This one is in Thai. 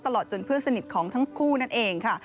ตลอดจนเพื่อนสนิทของทั้งคู่นั่นเองค่ะ